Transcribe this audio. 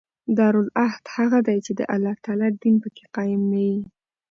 دارالعهد هغه دئ، چي د الله تعالی دین په کښي قایم نه يي.